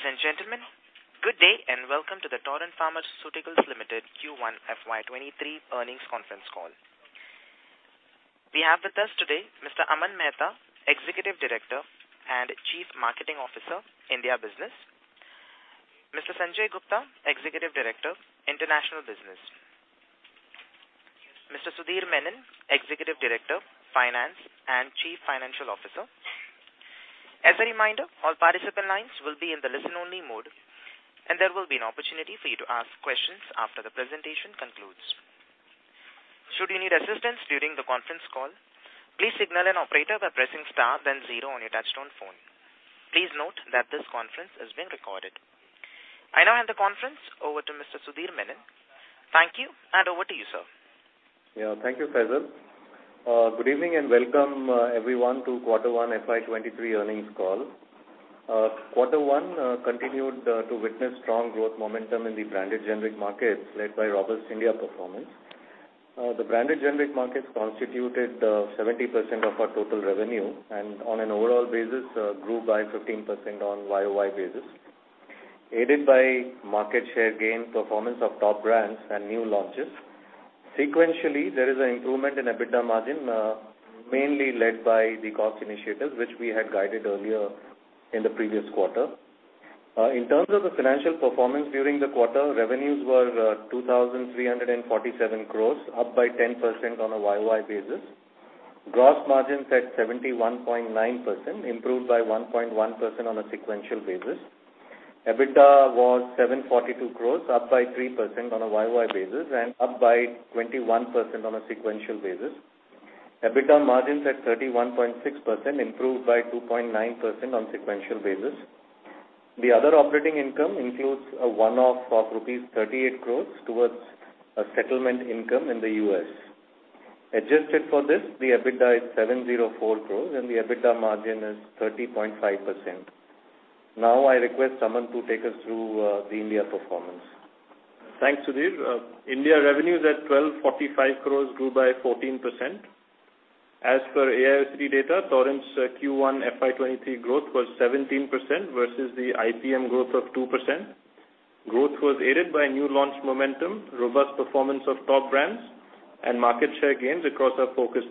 Ladies and gentlemen, good day, and welcome to the Torrent Pharmaceuticals Limited Q1 FY23 earnings conference call. We have with us today Mr. Aman Mehta, Executive Director and Chief Marketing Officer, India Business, Mr. Sanjay Gupta, Executive Director, International Business, Mr. Sudhir Menon, Executive Director, Finance, and Chief Financial Officer. As a reminder, all participant lines will be in the listen-only mode, and there will be an opportunity for you to ask questions after the presentation concludes. Should you need assistance during the conference call, please signal an operator by pressing star then zero on your touchtone phone. Please note that this conference is being recorded. I now hand the conference over to Mr. Sudhir Menon. Thank you, and over to you, sir. Yeah. Thank you, Faisal. Good evening and welcome everyone to quarter one FY23 earnings call. Quarter one continued to witness strong growth momentum in the branded generic markets led by robust India performance. The branded generic markets constituted 70% of our total revenue and on an overall basis grew by 15% on YOY basis, aided by market share gain performance of top brands and new launches. Sequentially, there is an improvement in EBITDA margin mainly led by the cost initiatives which we had guided earlier in the previous quarter. In terms of the financial performance during the quarter, revenues were 2,347 crores, up by 10% on a YOY basis. Gross margins at 71.9%, improved by 1.1% on a sequential basis. EBITDA was 742 crores, up by 3% on a YOY basis and up by 21% on a sequential basis. EBITDA margins at 31.6%, improved by 2.9% on sequential basis. The other operating income includes a one-off of rupees 38 crores towards a settlement income in the U.S. Adjusted for this, the EBITDA is 704 crores, and the EBITDA margin is 30.5%. Now I request Aman to take us through the India performance. Thanks, Sudhir. India revenues at 1,245 crores grew by 14%. As per AIOCD data, Torrent's Q1 FY23 growth was 17% versus the IPM growth of 2%. Growth was aided by new launch momentum, robust performance of top brands, and market share gains across our focus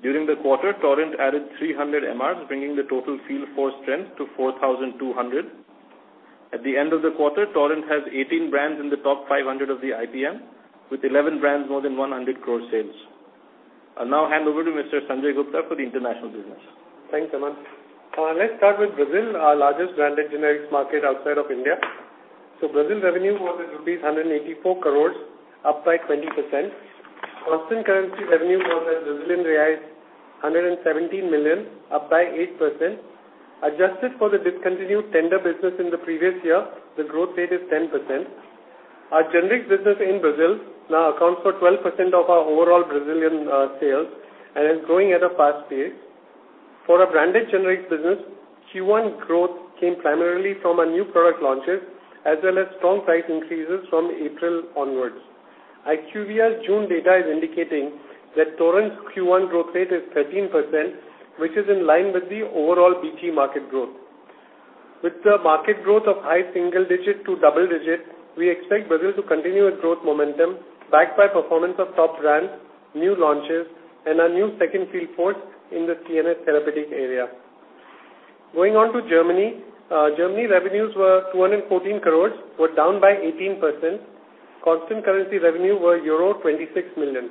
therapies. During the quarter, Torrent added 300 MRs, bringing the total field force strength to 4,200. At the end of the quarter, Torrent has 18 brands in the top 500 of the IPM, with 11 brands more than 100 crore sales. I'll now hand over to Mr. Sanjay Gupta for the international business. Thanks, Aman. Let's start with Brazil, our largest branded generics market outside of India. Brazil revenue was at rupees 184 crores, up by 20%. Constant currency revenue was at BRL 117 million, up by 8%. Adjusted for the discontinued tender business in the previous year, the growth rate is 10%. Our generics business in Brazil now accounts for 12% of our overall Brazilian sales and is growing at a fast pace. For our branded generics business, Q1 growth came primarily from our new product launches as well as strong price increases from April onwards. IQVIA's June data is indicating that Torrent's Q1 growth rate is 13%, which is in line with the overall BG market growth. With the market growth of high single-digit to double-digit, we expect Brazil to continue its growth momentum backed by performance of top brands, new launches, and our new second field force in the CNS therapeutic area. Going on to Germany revenues were 214 crores, down by 18%. Constant currency revenue were euro 26 million.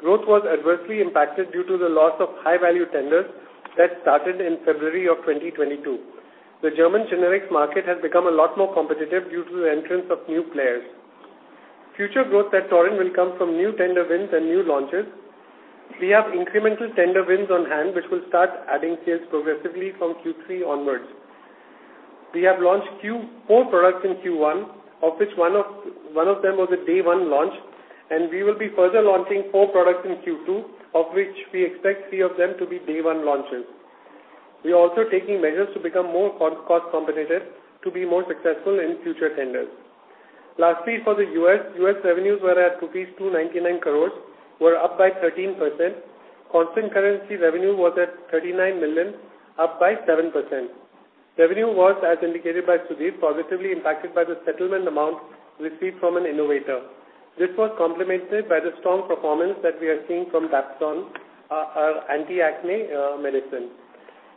Growth was adversely impacted due to the loss of high-value tenders that started in February of 2022. The German generics market has become a lot more competitive due to the entrance of new players. Future growth at Torrent will come from new tender wins and new launches. We have incremental tender wins on hand, which will start adding sales progressively from Q3 onwards. We have launched four products in Q1, of which one of them was a day one launch, and we will be further launching four products in Q2, of which we expect three of them to be day one launches. We are also taking measures to become more cost competitive to be more successful in future tenders. Lastly, for the U.S. revenues were at rupees 299 crores, up by 13%. Constant currency revenue was at $39 million, up by 7%. Revenue was, as indicated by Sudhir, positively impacted by the settlement amount received from an innovator. This was complemented by the strong performance that we are seeing from Dapsone, our anti-acne medicine.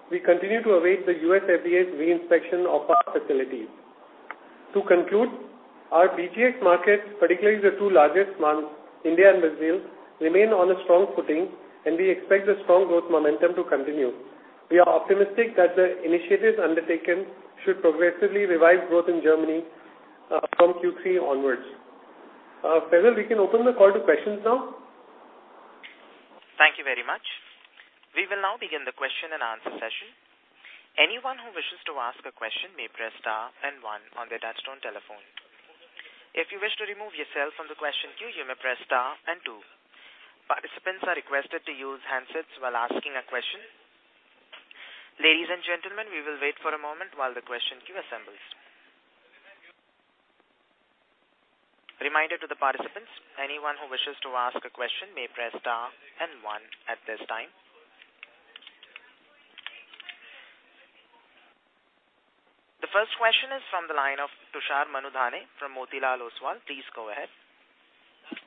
We continue to await the USFDA's re-inspection of our facilities. To conclude, our BGX markets, particularly the two largest ones, India and Brazil, remain on a strong footing, and we expect the strong growth momentum to continue. We are optimistic that the initiatives undertaken should progressively revive growth in Germany from Q3 onwards. Faisal, we can open the call to questions now. Thank you very much. We will now begin the question-and-answer session. Anyone who wishes to ask a question may press star and one on their touchtone telephone. If you wish to remove yourself from the question queue, you may press star and two. Participants are requested to use handsets while asking a question. Ladies and gentlemen, we will wait for a moment while the question queue assembles. Reminder to the participants, anyone who wishes to ask a question may press star and one at this time. The first question is from the line of Tushar Manudhane from Motilal Oswal. Please go ahead.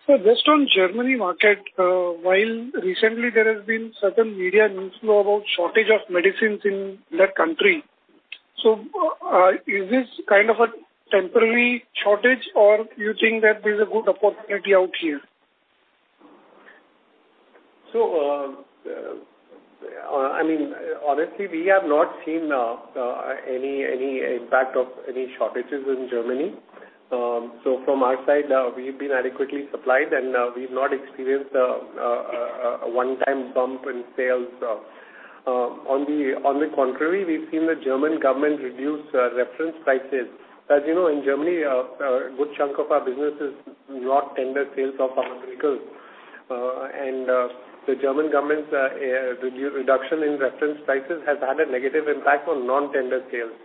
Sir, just on Germany market, while recently there has been certain media news flow about shortage of medicines in that country. Is this kind of a temporary shortage or you think that there's a good opportunity out here? I mean, honestly, we have not seen any impact of any shortages in Germany. From our side, we've been adequately supplied, and we've not experienced a one-time bump in sales. On the contrary, we've seen the German government reduce reference prices. As you know, in Germany, a good chunk of our business is not tender sales of pharmaceuticals. The German government's reduction in reference prices has had a negative impact on non-tender sales.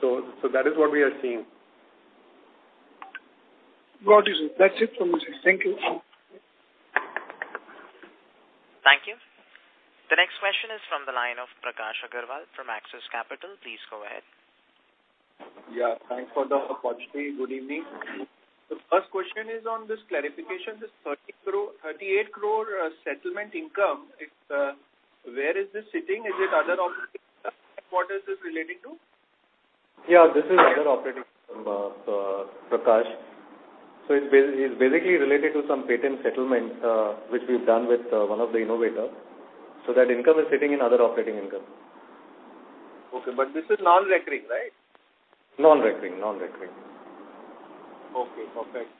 That is what we are seeing. Got you, sir. That's it from me, sir. Thank you. Thank you. The next question is from the line of Prakash Agarwal from Axis Capital. Please go ahead. Yeah, thanks for the opportunity. Good evening. The first question is on this clarification, this 38 crore settlement income. It's where is this sitting? Is it other operating income? What is this relating to? Yeah, this is other operating income, Prakash. It's basically related to some patent settlement, which we've done with one of the innovator. That income is sitting in other operating income. Okay, this is non-recurring, right? Non-recurring. Okay, perfect.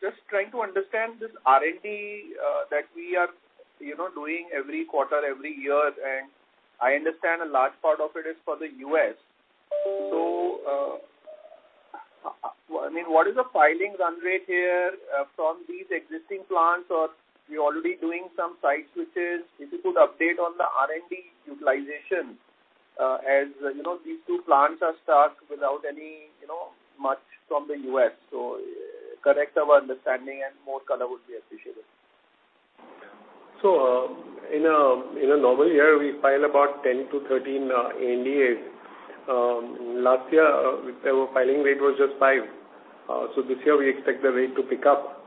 Just trying to understand this R&D, that we are, you know, doing every quarter, every year. I understand a large part of it is for the U.S. I mean, what is the filing run rate here, from these existing plants? Or you're already doing some site switches. If you could update on the R&D utilization, as, you know, these two plants are stuck without any, you know, much from the U.S. Correct our understanding and more color would be appreciated. In a normal year, we file about 10-13 ANDAs. Last year, our filing rate was just five. This year we expect the rate to pick up.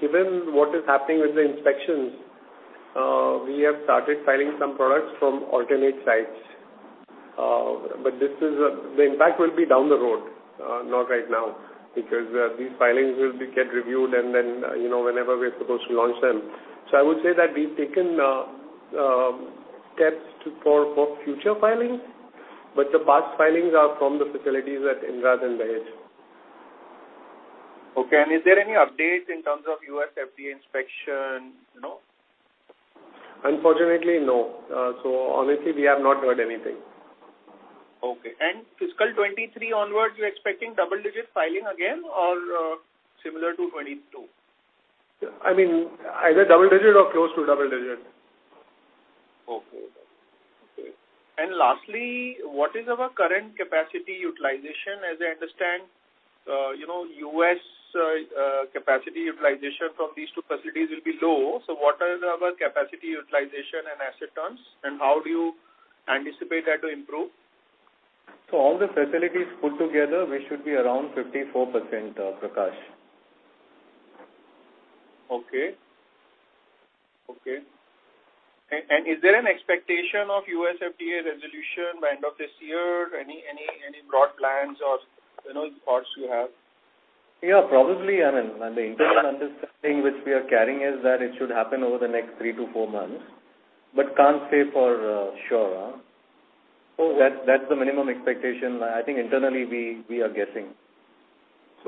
Given what is happening with the inspections, we have started filing some products from alternate sites. The impact will be down the road, not right now, because these filings will get reviewed and then, you know, whenever we're supposed to launch them. I would say that we've taken steps for future filings, but the past filings are from the facilities at Indrad and Dahej. Okay. Is there any update in terms of USFDA inspection, you know? Unfortunately, no. Honestly, we have not heard anything. Okay. Fiscal 2023 onwards, you're expecting double-digit filing again or similar to 2022? I mean, either double-digit or close to double-digit. Okay. Lastly, what is our current capacity utilization? As I understand, U.S. capacity utilization from these two facilities will be low. What are our capacity utilization and asset turns, and how do you anticipate that to improve? All the facilities put together, we should be around 54%, Prakash. Okay. Is there an expectation of USFDA resolution by end of this year? Any broad plans or, you know, thoughts you have? Yeah, probably. I mean, the internal understanding which we are carrying is that it should happen over the next three-four months, but can't say for sure. That's the minimum expectation, I think internally we are guessing.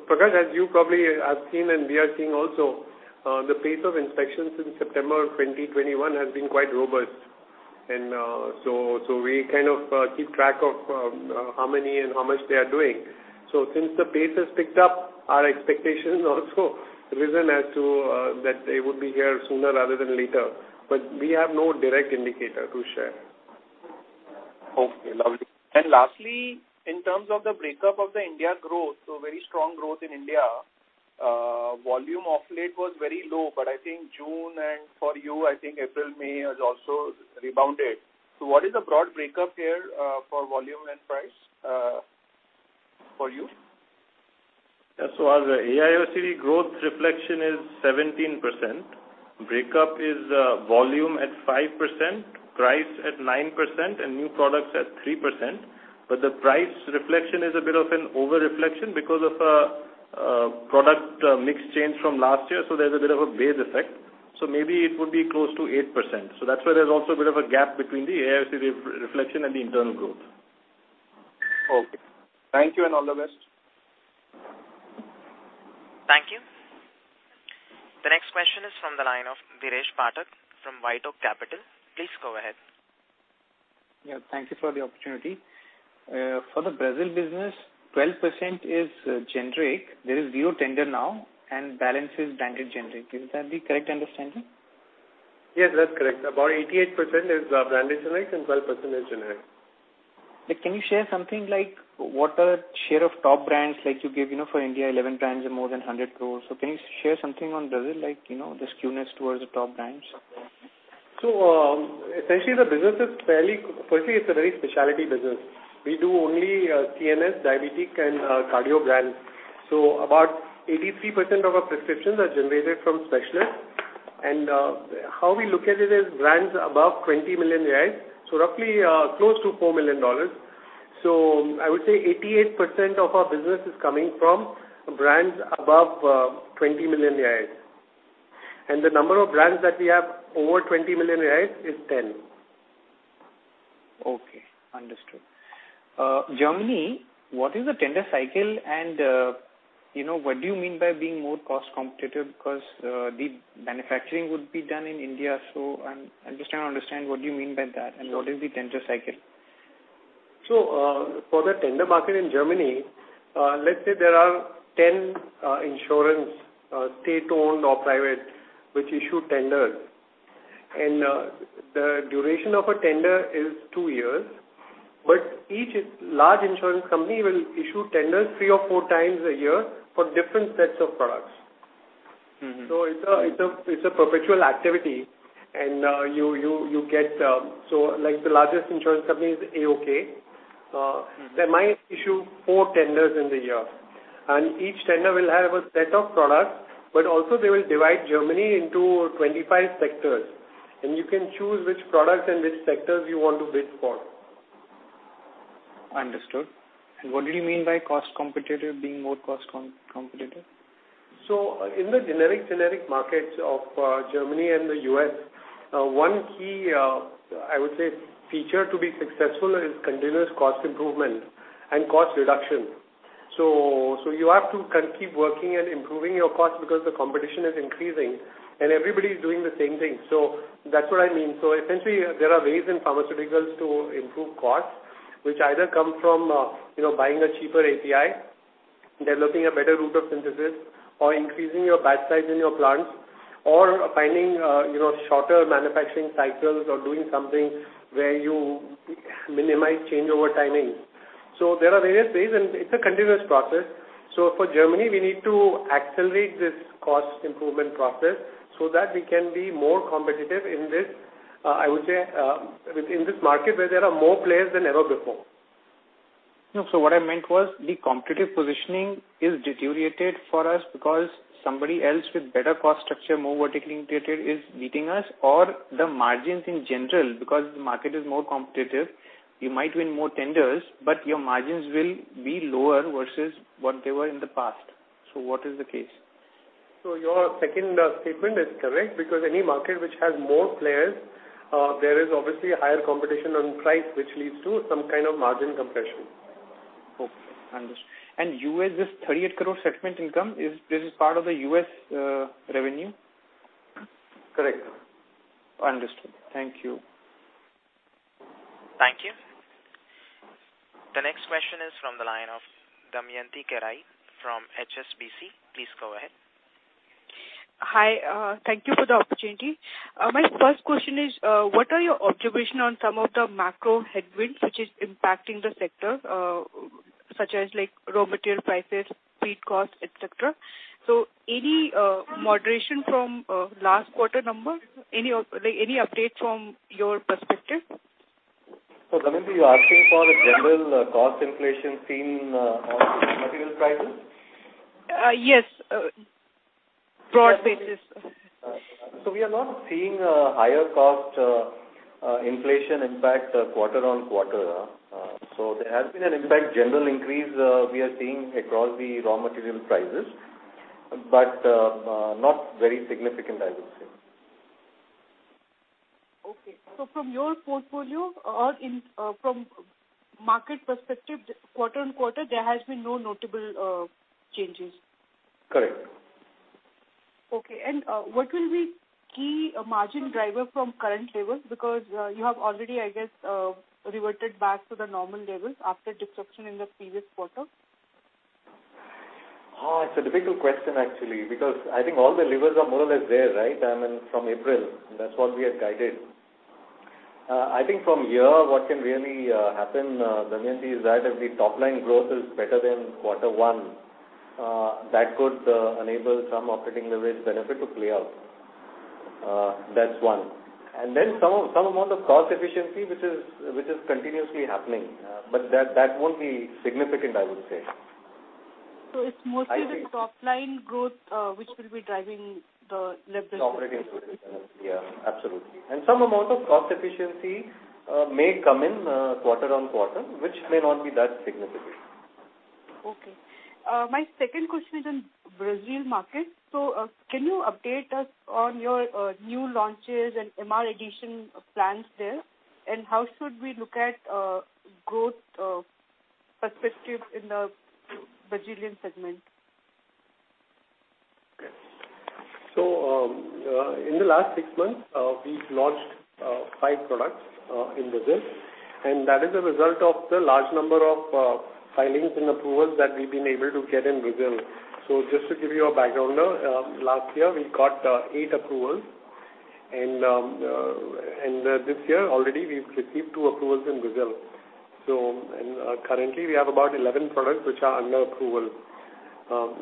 Prakash, as you probably have seen and we are seeing also, the pace of inspections since September of 2021 has been quite robust. We kind of keep track of how many and how much they are doing. Since the pace has picked up, our expectations also risen as to that they would be here sooner rather than later. We have no direct indicator to share. Okay, lovely. Lastly, in terms of the breakdown of the India growth, so very strong growth in India. Volume of late was very low, but I think June and forward, I think April, May has also rebounded. What is the broad breakdown here for volume and price for you? Yeah. Our AIOCD growth reflection is 17%. Breakup is, volume at 5%, price at 9% and new products at 3%. The price reflection is a bit of an over reflection because of a product mix change from last year. There's a bit of a base effect. Maybe it would be close to 8%. That's why there's also a bit of a gap between the AIOCD re-reflection and the internal growth. Okay. Thank you, and all the best. Thank you. The next question is from the line of Dheeresh Pathak from White Oak Capital. Please go ahead. Yeah, thank you for the opportunity. For the Brazil business, 12% is generic. There is zero tender now and balance is branded generic. Is that the correct understanding? Yes, that's correct. About 88% is branded generics and 12% is generic. Like, can you share something like what are share of top brands like you give, you know, for India, 11 brands and more than 100 crores. Can you share something on Brazil like, you know, the skewness towards the top brands? It's a very specialty business. We do only CNS, diabetic and cardio brands. About 83% of our prescriptions are generated from specialists. How we look at it is brands above BRL 20 million. Roughly, close to $4 million. I would say 88% of our business is coming from brands above 20 million reais. The number of brands that we have over 20 million reais is 10. Okay, understood. Germany, what is the tender cycle? You know, what do you mean by being more cost competitive? Because the manufacturing would be done in India, so I'm just trying to understand what do you mean by that and what is the tender cycle? For the tender market in Germany, let's say there are ten insurance, state-owned or private, which issue tenders. The duration of a tender is two years, but each large insurance company will issue tenders three or four times a year for different sets of products. Mm-hmm. It's a perpetual activity. You get so like the largest insurance company is AOK. They might issue four tenders in the year, and each tender will have a set of products, but also they will divide Germany into 25 sectors, and you can choose which products and which sectors you want to bid for. Understood. What did you mean by cost competitive, being more cost competitive? In the generic markets of Germany and the U.S., one key, I would say, feature to be successful is continuous cost improvement and cost reduction. You have to keep working and improving your cost because the competition is increasing and everybody is doing the same thing. That's what I mean. Essentially there are ways in pharmaceuticals to improve costs, which either come from, you know, buying a cheaper API, developing a better route of synthesis, or increasing your batch size in your plants, or finding, you know, shorter manufacturing cycles or doing something where you minimize changeover timing. There are various ways, and it's a continuous process. For Germany, we need to accelerate this cost improvement process so that we can be more competitive in this, I would say, within this market where there are more players than ever before. No. What I meant was the competitive positioning is deteriorated for us because somebody else with better cost structure, more vertically integrated, is beating us or the margins in general, because the market is more competitive. You might win more tenders, but your margins will be lower versus what they were in the past. What is the case? Your second statement is correct, because any market which has more players, there is obviously a higher competition on price, which leads to some kind of margin compression. U.S., this 38 crore segment income, is this part of the U.S. revenue? Correct. Understood. Thank you. Thank you. The next question is from the line of Damayanti Kerai from HSBC. Please go ahead. Hi, thank you for the opportunity. My first question is, what are your observation on some of the macro headwinds which is impacting the sector, such as like raw material prices, feed costs, et cetera? Any moderation from last quarter number? Any updates from your perspective? Damayanti, you're asking for the general cost inflation seen on material prices? Yes, broad basis. We are not seeing a higher cost inflation impact quarter on quarter. There has been an impact, general increase we are seeing across the raw material prices, but not very significant I would say. From your portfolio or from market perspective, quarter-on-quarter there has been no notable changes? Correct. Okay. What will be key margin driver from current levels? Because, you have already, I guess, reverted back to the normal levels after disruption in the previous quarter. Oh, it's a difficult question actually, because I think all the levers are more or less there, right? I mean, from April, that's what we had guided. I think from here, what can really happen, Damayanti, is that if the top line growth is better than quarter one, that could enable some operating leverage benefit to play out. That's one. Some amount of cost efficiency, which is continuously happening. But that won't be significant, I would say. It's mostly. I think. The top line growth, which will be driving the leverage. The operating leverage. Yeah, absolutely. Some amount of cost efficiency may come in quarter on quarter, which may not be that significant. Okay. My second question is on Brazil market. Can you update us on your new launches and MR addition plans there? And how should we look at growth perspective in the Brazilian segment? In the last six months, we've launched five products in Brazil, and that is a result of the large number of filings and approvals that we've been able to get in Brazil. Just to give you a background now, last year we got eight approvals and this year already we've received two approvals in Brazil. Currently we have about 11 products which are under approval.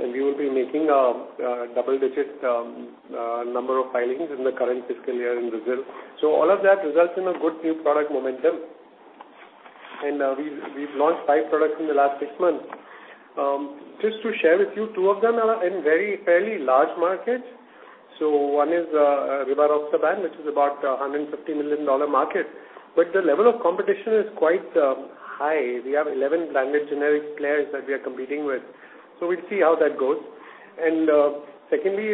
We will be making double-digit number of filings in the current fiscal year in Brazil. All of that results in a good new product momentum. We've launched five products in the last six months. Just to share with you, two of them are in very fairly large markets. One is rivaroxaban, which is about a $150 million market, but the level of competition is quite high. We have 11 branded generic players that we are competing with. We'll see how that goes. Secondly,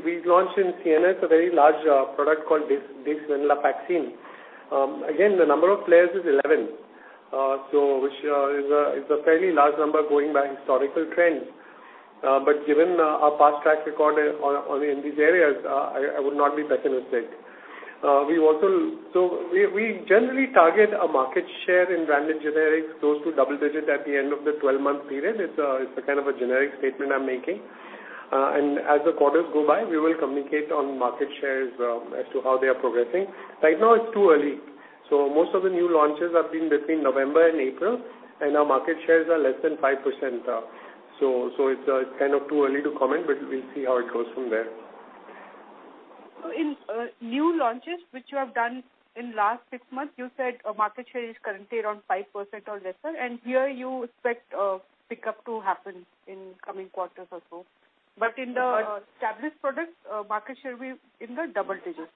we've launched in CNS a very large product called duloxetine. Again, the number of players is 11, which is a fairly large number going by historical trends. But given our past track record in these areas, I would not be pessimistic. We generally target a market share in branded generics close to double-digits at the end of the 12-month period. It's a kind of generic statement I'm making. As the quarters go by, we will communicate on market shares as to how they are progressing. Right now it's too early. Most of the new launches have been between November and April, and our market shares are less than 5%. It's kind of too early to comment, but we'll see how it goes from there. In new launches which you have done in last six months, you said market share is currently around 5% or lesser, and here you expect pickup to happen in coming quarters or so. In the established products, market share will be in the double-digits.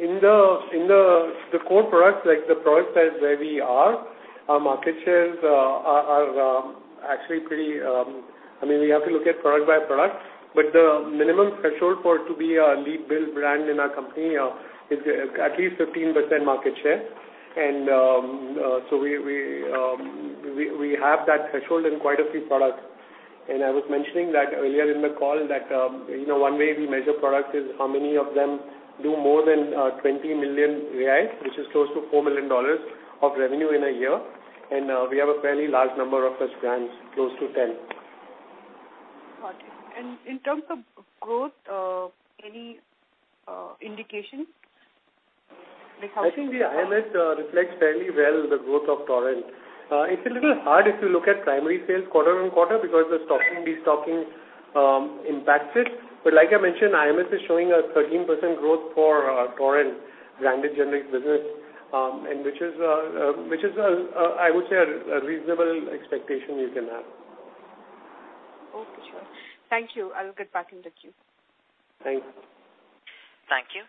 In the core products, like the product sides where we are, our market shares are actually pretty. I mean we have to look at product-by-product, but the minimum threshold for it to be a lead build brand in our company is at least 15% market share. We have that threshold in quite a few products. I was mentioning that earlier in the call that you know, one way we measure product is how many of them do more than 20 million reais, which is close to $4 million of revenue in a year. We have a fairly large number of such brands, close to 10. Got it. In terms of growth, any indication like how? I think the IMS reflects fairly well the growth of Torrent. It's a little hard if you look at primary sales quarter on quarter because the stocking, de-stocking, impacts it. Like I mentioned, IMS is showing a 13% growth for Torrent branded generics business, and which is I would say a reasonable expectation you can have. Okay, sure. Thank you. I'll get back in the queue. Thanks. Thank you.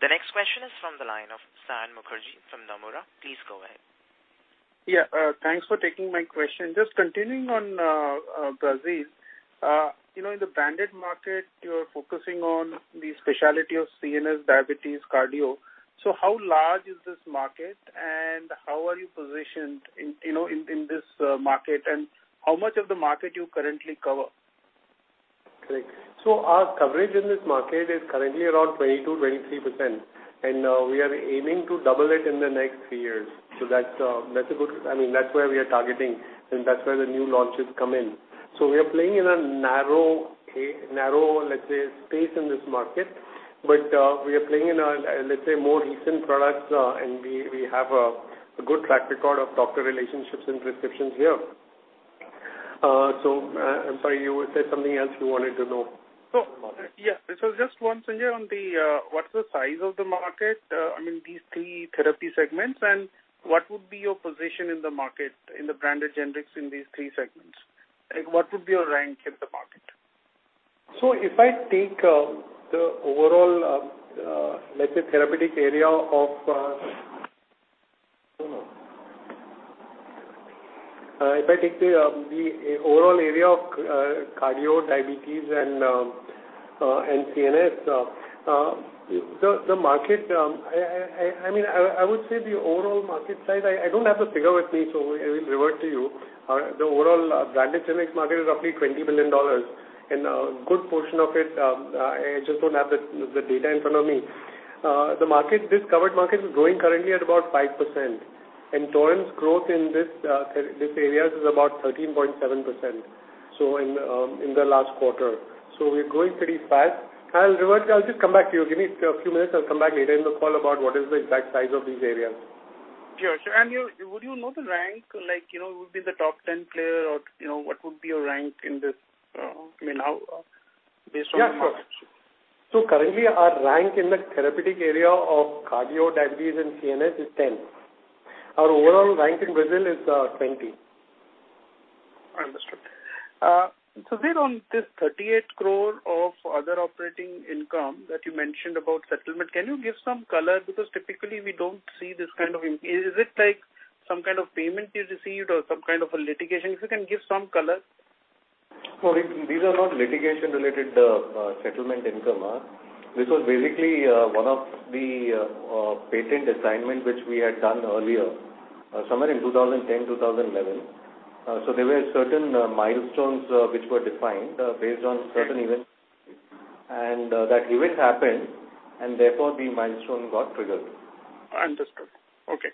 The next question is from the line of Saion Mukherjee from Nomura. Please go ahead. Yeah, thanks for taking my question. Just continuing on Brazil. You know, in the branded market, you're focusing on the specialty of CNS, diabetes, cardio. How large is this market and how are you positioned in, you know, in this market, and how much of the market you currently cover? Correct. Our coverage in this market is currently around 20%-23%, and we are aiming to double it in the next three years. That's where we are targeting, and that's where the new launches come in. We are playing in a narrow, let's say, space in this market. We are playing in a, let's say, more recent products, and we have a good track record of doctor relationships and prescriptions here. I'm sorry, you said something else you wanted to know about it. Yeah. Just once Sanjay on the, what's the size of the market, I mean, these three therapy segments, and what would be your position in the market, in the branded generics in these three segments? Like, what would be your rank in the market? If I take the overall area of cardio, diabetes and CNS, the market, I mean, I would say the overall market size, I don't have the figure with me, so I will revert to you. The overall branded generics market is roughly $20 billion and a good portion of it, I just don't have the data in front of me. The market, this covered market is growing currently at about 5%, and Torrent's growth in this, these areas is about 13.7%, so in the last quarter. We're growing pretty fast. I'll revert. I'll just come back to you. Give me a few minutes. I'll come back later in the call about what is the exact size of these areas. Sure, sure. You, would you know the rank, like, you know, would be the top ten player or, you know, what would be your rank in this, I mean, how based on the market share? Yeah, sure. Currently our rank in the therapeutic area of cardio, diabetes and CNS is 10. Our overall rank in Brazil is 20. Understood. On this 38 crore of other operating income that you mentioned about settlement, can you give some color? Because typically we don't see this kind of. Is it like some kind of payment you received or some kind of a litigation? If you can give some color. No, these are not litigation-related settlement income. This was basically one of the patent assignment which we had done earlier, somewhere in 2010, 2011. There were certain milestones which were defined based on certain events. that event happened, and therefore the milestone got triggered. Understood. Okay.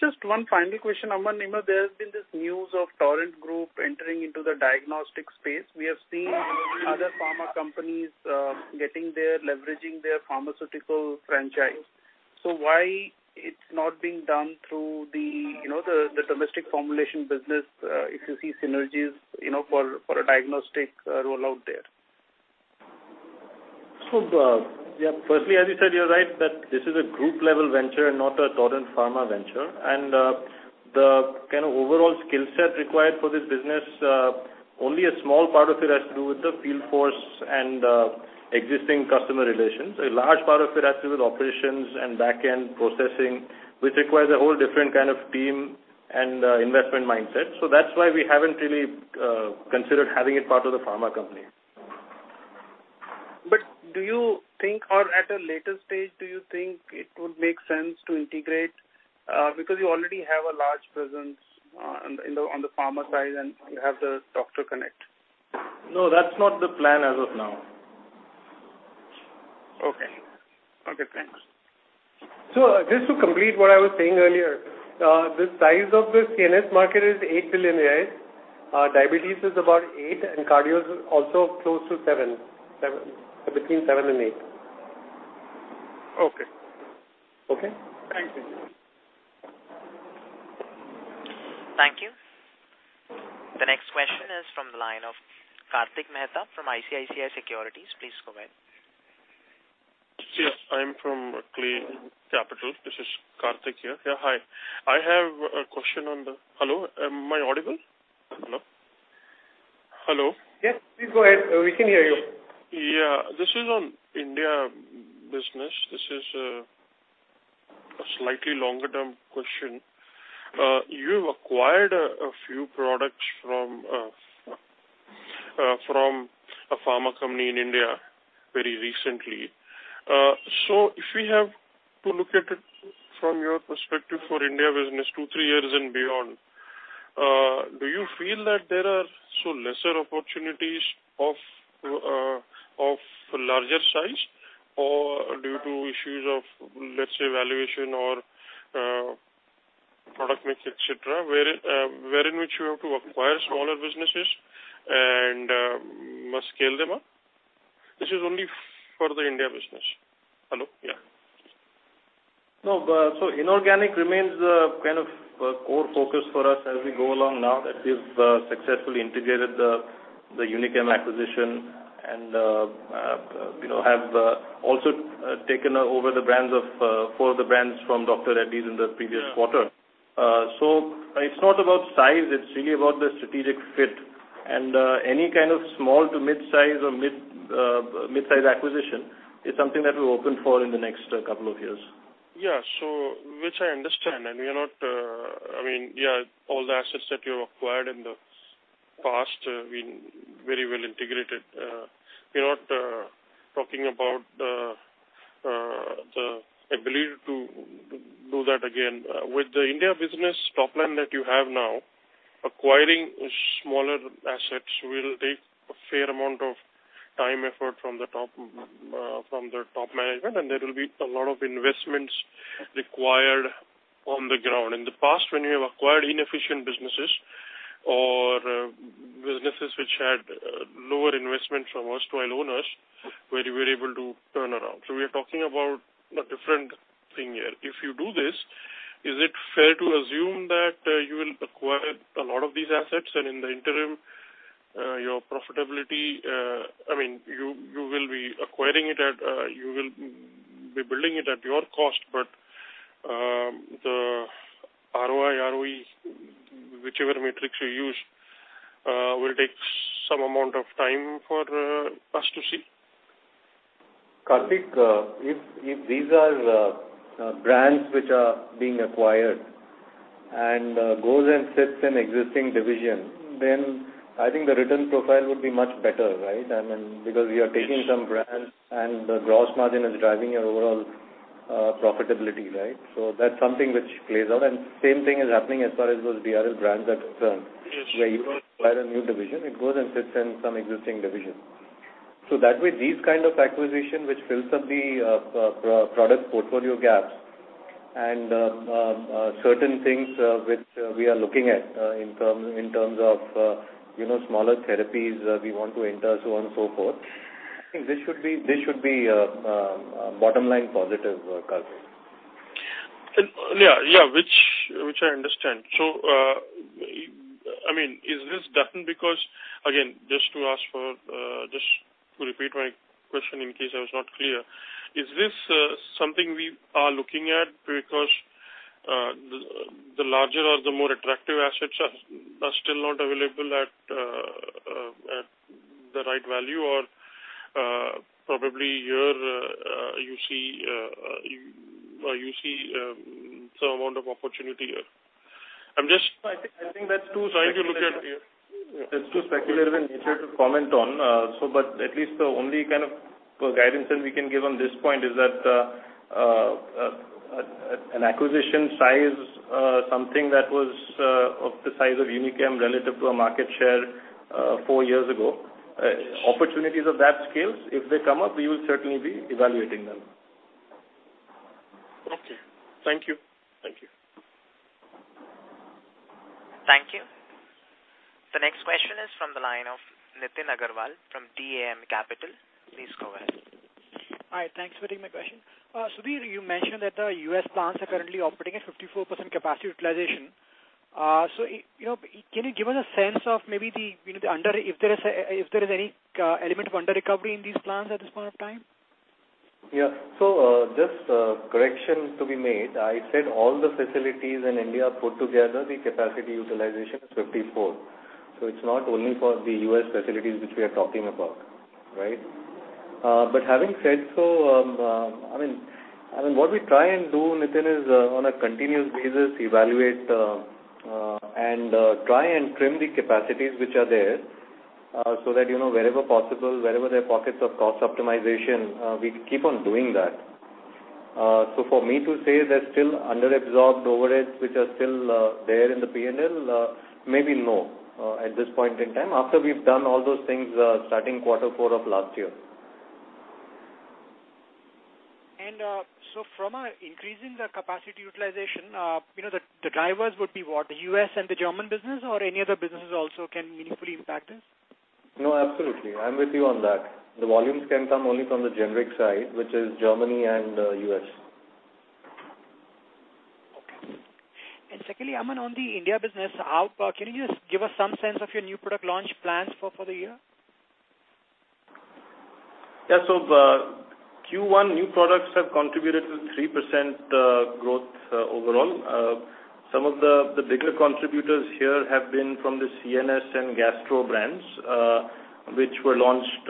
Just one final question, Aman Mehta. There has been this news of Torrent Group entering into the diagnostic space. We have seen other pharma companies getting there, leveraging their pharmaceutical franchise. Why it's not being done through the, you know, domestic formulation business if you see synergies, you know, for a diagnostic rollout there? Firstly, as you said, you're right that this is a group level venture and not a Torrent Pharma venture. The kind of overall skill set required for this business, only a small part of it has to do with the field force and existing customer relations. A large part of it has to do with operations and back-end processing, which requires a whole different kind of team and investment mindset. That's why we haven't really considered having it part of the pharma company. Do you think or at a later stage, do you think it would make sense to integrate, because you already have a large presence on the pharma side, and you have the doctor connect? No, that's not the plan as of now. Okay. Okay, thanks. Just to complete what I was saying earlier, the size of the CNS market is 8 billion. Diabetes is about 8 billion, and cardio is also close to 7 billion, between 7 billion and 8 billion. Okay. Okay? Thank you. Thank you. The next question is from the line of Kartik Mehta from ICICI Securities. Please go ahead. Yes, I'm from Klay Capital. This is Kartik here. Yeah, hi. I have a question on the. Hello? Am I audible? Hello? Hello? Yes, please go ahead. We can hear you. Yeah. This is on India business. This is a slightly longer term question. You've acquired a few products from a pharma company in India very recently. If we have to look at it from your perspective for India business two, three years and beyond, do you feel that there are so lesser opportunities of larger size or due to issues of, let's say, valuation or product mix, et cetera, where in which you have to acquire smaller businesses and scale them up? This is only for the India business. Hello? Yeah. No, inorganic remains kind of a core focus for us as we go along now that we've successfully integrated the Unichem acquisition and you know have also taken over four of the brands from Dr. Reddy's in the previous quarter. Yeah. It's not about size, it's really about the strategic fit. Any kind of small to mid-size acquisition is something that we're open for in the next couple of years. Yeah. Which I understand, and we are not, I mean, yeah, all the assets that you acquired in the past have been very well integrated. We're not talking about the ability to do that again. With the India business top line that you have now, acquiring smaller assets will take a fair amount of time, effort from the top management, and there will be a lot of investments required on the ground. In the past, when you have acquired inefficient businesses or businesses which had lower investment from erstwhile owners, where you were able to turn around. We are talking about a different thing here. If you do this, is it fair to assume that you will acquire a lot of these assets and in the interim, your profitability, I mean you will be building it at your cost, but the ROI, ROE, whichever metrics you use, will take some amount of time for us to see? Kartik, if these are brands which are being acquired and goes and sits in existing division, then I think the return profile would be much better, right? I mean, because you are taking some brands and the gross margin is driving your overall profitability, right? That's something which plays out. Same thing is happening as far as those DRL brands are concerned. Yes. Where you don't acquire a new division, it goes and sits in some existing division. That way, these kind of acquisition, which fills up the product portfolio gaps and certain things, which we are looking at in terms of, you know, smaller therapies, we want to enter so on and so forth. I think this should be bottom line positive, Kartik. Yeah, which I understand. I mean, is this done because again, just to ask for, just to repeat my question in case I was not clear. Is this something we are looking at because the larger or the more attractive assets are still not available at the right value or probably here you see some amount of opportunity here? I'm just- I think that's too. Trying to look at- That's too speculative in nature to comment on. Well, at least the only kind of guidance that we can give on this point is that an acquisition size something that was of the size of Unichem relative to a market share four years ago. Opportunities of that scale, if they come up, we will certainly be evaluating them. Okay. Thank you. Thank you. Thank you. The next question is from the line of Nitin Agarwal from DAM Capital. Please go ahead. All right, thanks for taking my question. Sudhir, you mentioned that the U.S. plants are currently operating at 54% capacity utilization. So, you know, can you give us a sense of maybe the, you know, if there is any element of under-recovery in these plants at this point of time? Yeah. Just a correction to be made. I said all the facilities in India put together, the capacity utilization is 54%. It's not only for the U.S. facilities which we are talking about, right? Having said so, I mean, what we try and do, Nitin, is on a continuous basis evaluate and try and trim the capacities which are there, so that, you know, wherever possible, wherever there are pockets of cost optimization, we keep on doing that. For me to say they're still under-absorbed overheads which are still there in the P&L, maybe no, at this point in time, after we've done all those things, starting quarter four of last year. From our increase in the capacity utilization, you know, the drivers would be what? The U.S. and the German business or any other businesses also can meaningfully impact this? No, absolutely. I'm with you on that. The volumes can come only from the generic side, which is Germany and U.S. Okay. Secondly, Aman, on the India business, how can you just give us some sense of your new product launch plans for the year? Yeah. The Q1 new products have contributed to 3% growth overall. Some of the bigger contributors here have been from the CNS and Gastro brands, which were launched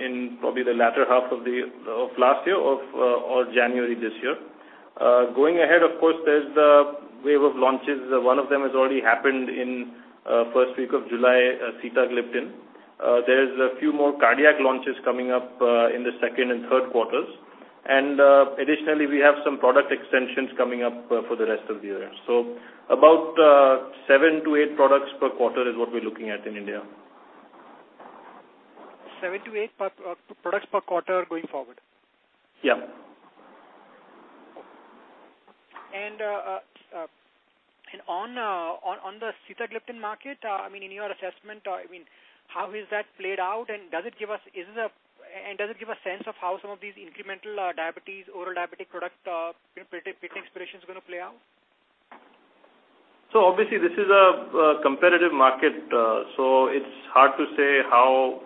in probably the latter half of last year or January this year. Going ahead, of course, there's the wave of launches. One of them has already happened in the first week of July, sitagliptin. There's a few more cardiac launches coming up in the second and third quarters. Additionally, we have some product extensions coming up for the rest of the year. About seven-eight products per quarter is what we're looking at in India. Seven-eight products per quarter going forward? Yeah. On the sitagliptin market, I mean, in your assessment, I mean, how has that played out? Does it give a sense of how some of these incremental diabetes oral diabetic product patent expirations gonna play out? Obviously this is a competitive market, so it's hard to say how,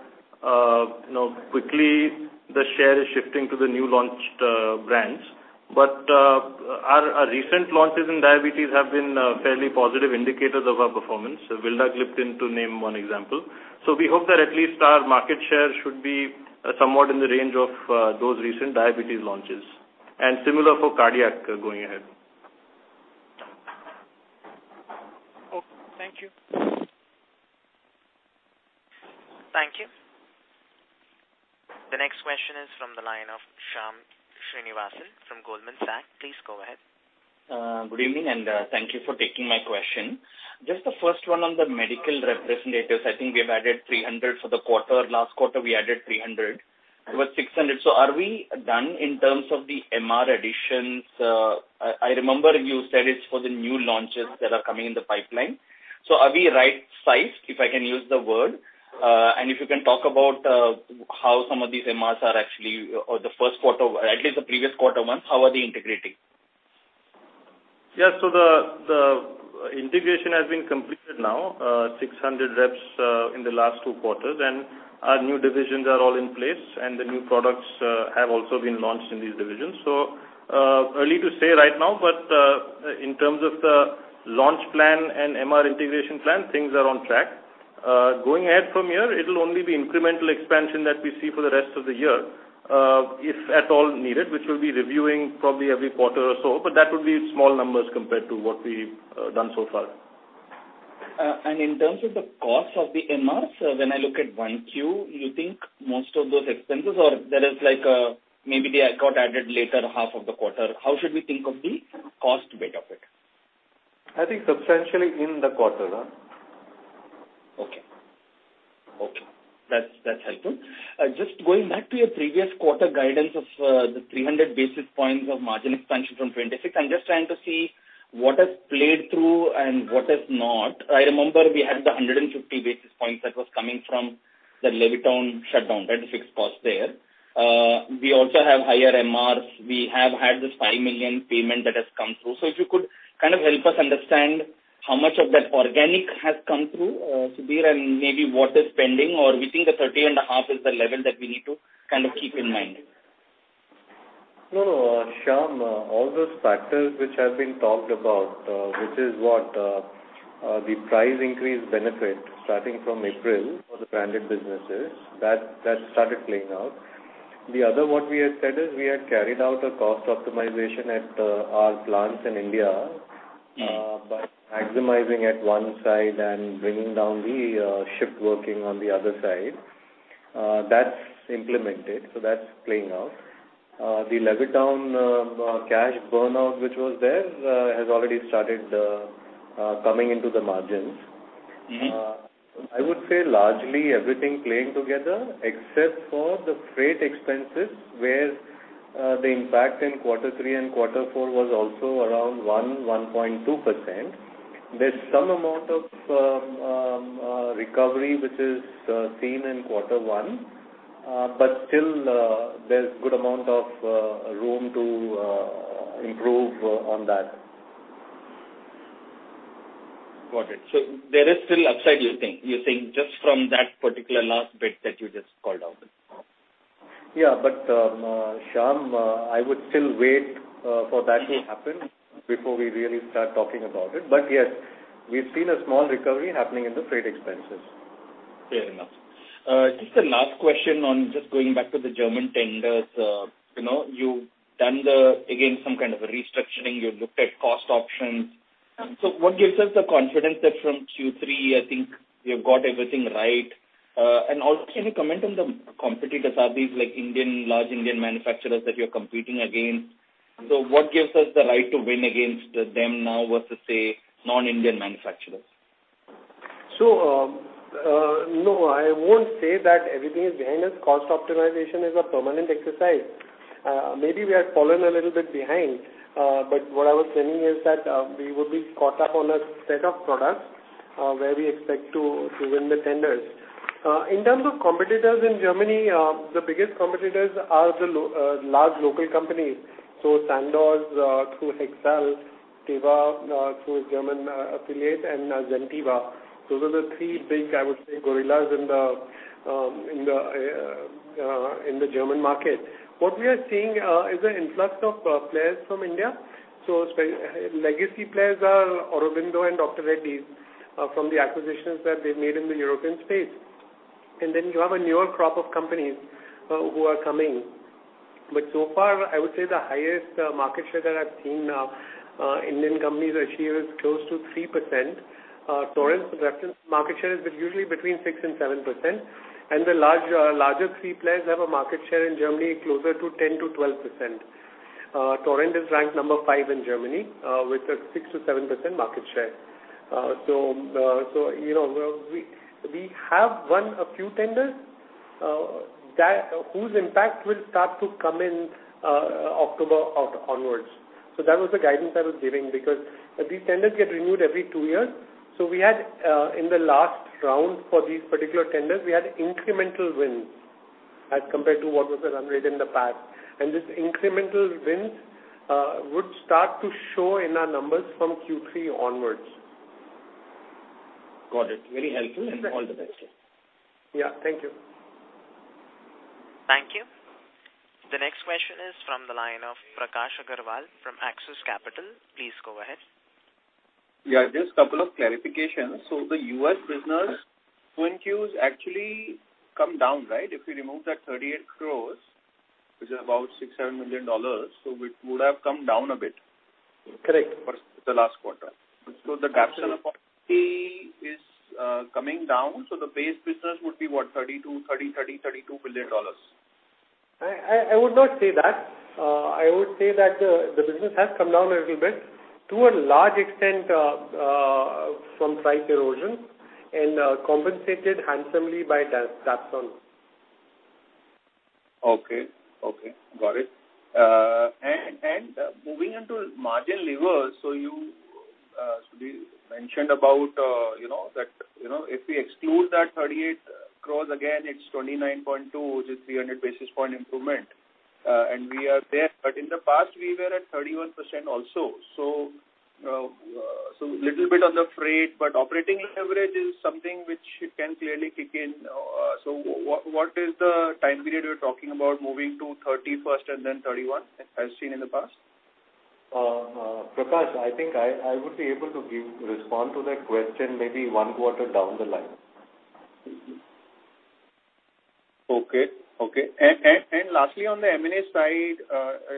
you know, quickly the share is shifting to the new launched brands. Our recent launches in diabetes have been fairly positive indicators of our performance, vildagliptin to name one example. We hope that at least our market share should be somewhat in the range of those recent diabetes launches, and similar for cardiac going ahead. Okay. Thank you. Thank you. The next question is from the line of Shyam Srinivasan from Goldman Sachs. Please go ahead. Good evening, and thank you for taking my question. Just the first one on the medical representatives, I think we have added 300 for the quarter. Last quarter, we added 300. It was 600. So are we done in terms of the MR additions? I remember you said it's for the new launches that are coming in the pipeline. So are we right-sized, if I can use the word? And if you can talk about how some of these MRs are actually, or the first quarter, at least the previous quarter ones, how are they integrating? Yeah. The integration has been completed now, 600 reps in the last two quarters, and our new divisions are all in place, and the new products have also been launched in these divisions. Early to say right now, but in terms of the launch plan and MR integration plan, things are on track. Going ahead from here, it'll only be incremental expansion that we see for the rest of the year, if at all needed, which we'll be reviewing probably every quarter or so, but that would be small numbers compared to what we've done so far. In terms of the cost of the MRs, when I look at 1Q, you think most of those expenses or there is like, maybe they got added later half of the quarter. How should we think of the cost bit of it? I think substantially in the quarter done. That's helpful. Just going back to your previous quarter guidance of the 300 basis points of margin expansion from 26. I'm just trying to see what has played through and what has not. I remember we had the 150 basis points that was coming from the Levittown shutdown, right? The fixed cost there. We also have higher MRs. We have had this 5 million payment that has come through. If you could kind of help us understand how much of that organic has come through, Sudhir, and maybe what is pending or we think the 30.5 is the level that we need to kind of keep in mind. No, no, Shyam Srinivasan, all those factors which have been talked about, which is what, the price increase benefit starting from April for the branded businesses, that started playing out. The other one we had said is we had carried out a cost optimization at, our plants in India. By maximizing at one side and bringing down the shift working on the other side, that's implemented, so that's playing out. The Levittown cash burnout, which was there, has already started coming into the margins. Mm-hmm. I would say largely everything playing together except for the freight expenses, where the impact in quarter three and quarter four was also around 1.2%. There's some amount of recovery which is seen in quarter one, but still, there's good amount of room to improve on that. Got it. There is still upside, you think? You think just from that particular last bit that you just called out? Yeah. Shyam, I would still wait for that to happen before we really start talking about it. Yes, we've seen a small recovery happening in the freight expenses. Fair enough. Just a last question on just going back to the German tenders. You know, you've done the, again, some kind of a restructuring. You've looked at cost options. What gives us the confidence that from Q3 I think you've got everything right? And also, can you comment on the competitors? Are these like Indian, large Indian manufacturers that you're competing against? What gives us the right to win against them now versus say, non-Indian manufacturers? No, I won't say that everything is behind us. Cost optimization is a permanent exercise. Maybe we are fallen a little bit behind. But what I was saying is that we would be caught up on a set of products where we expect to win the tenders. In terms of competitors in Germany, the biggest competitors are the large local companies. Sandoz through Hexal, Teva through its German affiliate and Zentiva. Those are the three big, I would say, gorillas in the German market. What we are seeing is an influx of players from India. Legacy players are Aurobindo and Dr. Reddy's from the acquisitions that they've made in the European space. You have a newer crop of companies who are coming. So far, I would say the highest market share that I've seen Indian companies achieve is close to 3%. Torrent's reference market share is usually between 6%-7%. The larger three players have a market share in Germany closer to 10%-12%. Torrent is ranked No 5 in Germany with a 6%-7% market share. You know, we have won a few tenders whose impact will start to come in October onwards. That was the guidance I was giving because these tenders get renewed every two years. We had, in the last round for these particular tenders, we had incremental wins as compared to what was the run rate in the past. This incremental wins would start to show in our numbers from Q3 onwards. Got it. Very helpful. Yes. All the best. Yeah. Thank you. Thank you. The next question is from the line of Prakash Agarwal from Axis Capital. Please go ahead. Yeah, just couple of clarifications. The U.S. business in Qs actually come down, right? If you remove that 38 crores, which is about $6 million-$7 million, it would have come down a bit. Correct. For the last quarter. Absolutely. The Dapsone opportunity is coming down, so the base business would be what, $32 billion, $30 billion, $32 billion? I would not say that. I would say that the business has come down a little bit to a large extent from price erosion and compensated handsomely by Dapsone. Moving into margin levers. You, Sudhir mentioned about, you know, that, you know, if we exclude that 38 crore, again, it's 29.2%, which is 300 basis point improvement. We are there. In the past, we were at 31% also. Little bit on the freight, but operating leverage is something which can clearly kick in. What is the time period we're talking about moving to 31% and then 31%, as seen in the past? Prakash, I think I would be able to respond to that question maybe one quarter down the line. Okay. Lastly on the M&A side,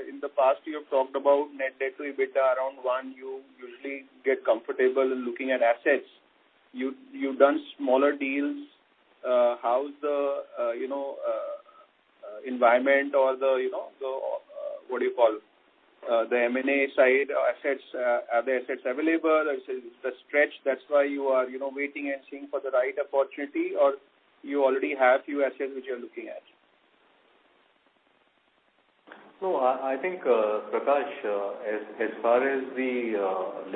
in the past you have talked about net debt-to-EBITDA around 1, you usually get comfortable in looking at assets. You've done smaller deals. How's the environment or the, you know, the what do you call, the M&A side assets? Are the assets available? Is it the stretch that's why you are waiting and seeing for the right opportunity? Or you already have few assets which you're looking at? I think, Prakash, as far as the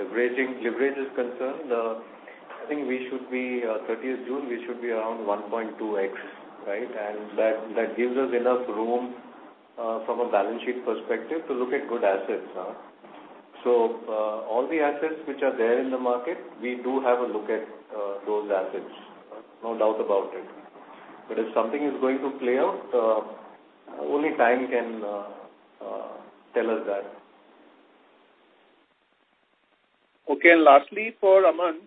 leverage is concerned, I think we should be, thirtieth June, around 1.2x, right? That gives us enough room from a balance sheet perspective to look at good assets now. All the assets which are there in the market, we do have a look at those assets, no doubt about it. If something is going to play out, only time can tell us that. Okay. Lastly for Aman,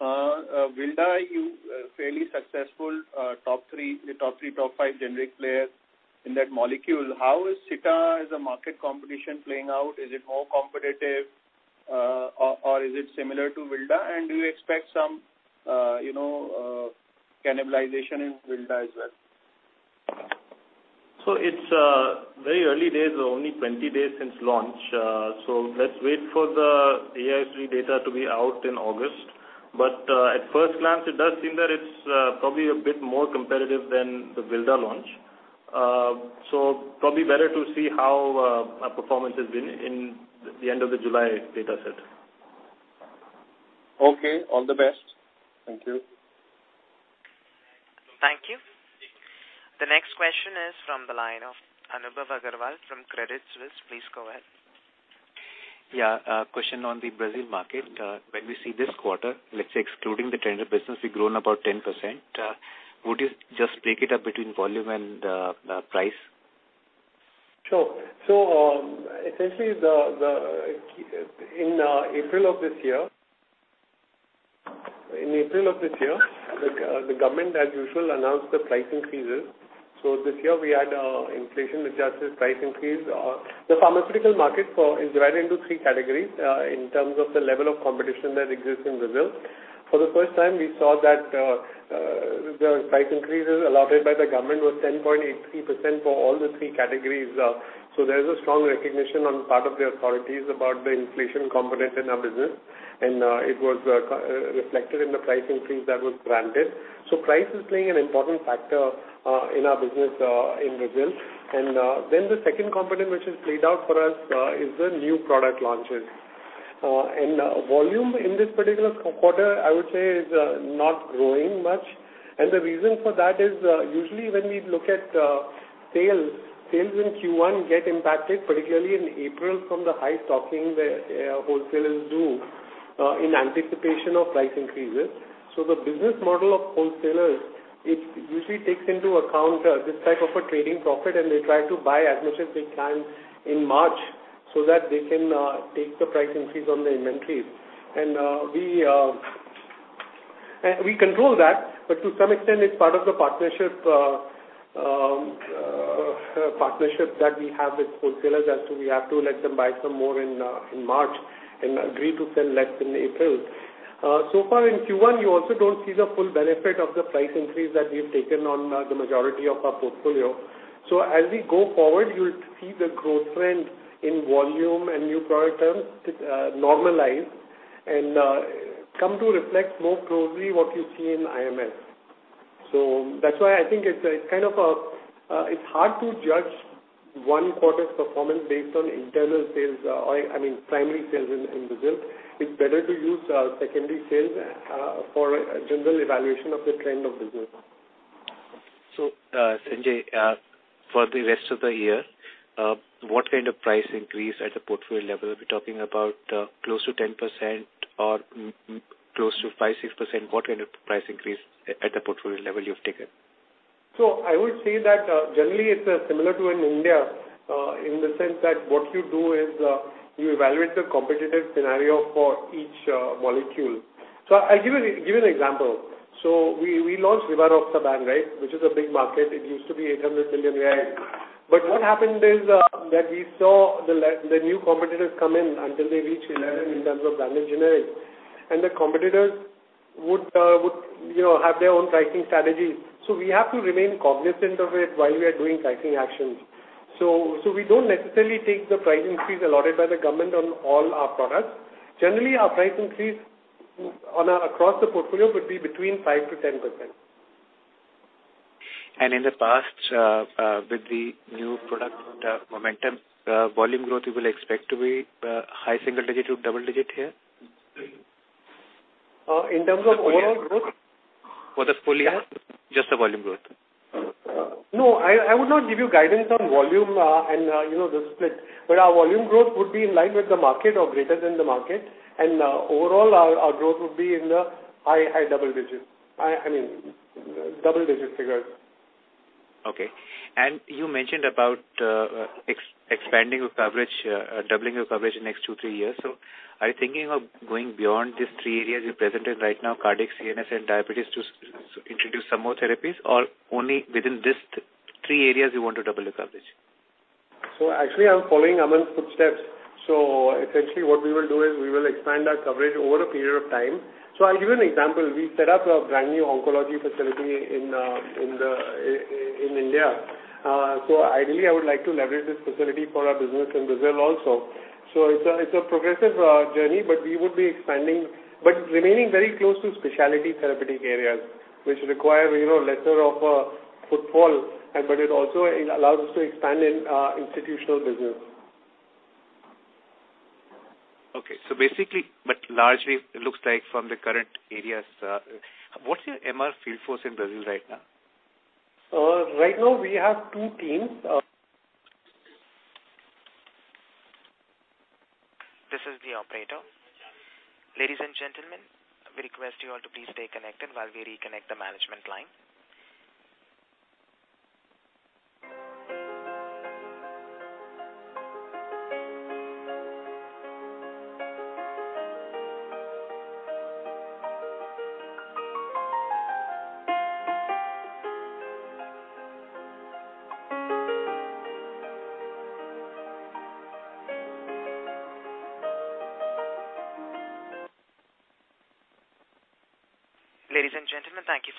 vildagliptin, you're fairly successful, top three, top five generic players in that molecule. How is sitagliptin's market competition playing out? Is it more competitive, or is it similar to vildagliptin? Do you expect some, you know, cannibalization in vildagliptin as well? It's very early days, only 20 days since launch. Let's wait for the AIOCD data to be out in August. At first glance, it does seem that it's probably a bit more competitive than the vildagliptin launch. Probably better to see how our performance has been in the end of the July data set. Okay. All the best. Thank you. Thank you. The next question is from the line of Anubhav Agarwal from Credit Suisse. Please go ahead. A question on the Brazil market. When we see this quarter, let's say excluding the tender business, we've grown about 10%. Would you just break it up between volume and price? Sure. Essentially, in April of this year, the government as usual announced the price increases. This year we had inflation-adjusted price increase. The pharmaceutical market in Brazil is divided into three categories in terms of the level of competition that exists in Brazil. For the first time, we saw that the price increases allotted by the government was 10.83% for all the three categories. There's a strong recognition on the part of the authorities about the inflation component in our business, and it was reflected in the price increase that was granted. Price is playing an important factor in our business in Brazil. The second component which has played out for us is the new product launches. Volume in this particular quarter, I would say is not growing much. The reason for that is usually when we look at sales in Q1 get impacted, particularly in April from the high stocking the wholesalers do in anticipation of price increases. The business model of wholesalers, it usually takes into account this type of a trading profit, and they try to buy as much as they can in March so that they can take the price increase on the inventory. We control that. To some extent, it's part of the partnership that we have with wholesalers as to we have to let them buy some more in March and agree to sell less in April. So far in Q1, you also don't see the full benefit of the price increase that we've taken on the majority of our portfolio. As we go forward, you'll see the growth trend in volume and new product terms normalize and come to reflect more closely what you see in IMS. That's why I think it's kind of hard to judge one quarter's performance based on internal sales or I mean, primary sales in Brazil. It's better to use secondary sales for a general evaluation of the trend of business. Sanjay, for the rest of the year, what kind of price increase at the portfolio level? Are we talking about close to 10% or close to 5%-6%? What kind of price increase at the portfolio level you've taken? I would say that, generally it's similar to in India, in the sense that what you do is, you evaluate the competitive scenario for each, molecule. I'll give you an example. We launched rivaroxaban, right, which is a big market. It used to be 800 million reais. What happened is, that we saw the new competitors come in until they reach 11 in terms of branded generics. The competitors would, you know, have their own pricing strategies. We have to remain cognizant of it while we are doing pricing actions. We don't necessarily take the price increase allotted by the government on all our products. Generally, our price increase across the portfolio would be between 5%-10%. In the past, with the new product momentum, volume growth you will expect to be high single-digit to double-digit here? In terms of overall growth? For the full year. Just the volume growth. No, I would not give you guidance on volume, and you know, the split, but our volume growth would be in line with the market or greater than the market. Overall our growth would be in the high double-digits. I mean double-digit figures. You mentioned about expanding your coverage, doubling your coverage in next 2-3 years. Are you thinking of going beyond these three areas you present in right now, cardiac, CNS and diabetes to introduce some more therapies? Or only within these three areas you want to double your coverage? Actually I'm following Aman's footsteps. Essentially what we will do is we will expand our coverage over a period of time. I'll give you an example. We set up a brand new oncology facility in India. Ideally I would like to leverage this facility for our business in Brazil also. It's a progressive journey, but we would be expanding but remaining very close to specialty therapeutic areas which require, you know, lesser of a footfall and, but it also allows us to expand in our institutional business. Okay. Basically, but largely it looks like from the current areas, what's your MR field force in Brazil right now? Right now we have two teams. This is the operator. Ladies and gentlemen, we request you all to please stay connected while we reconnect the management line.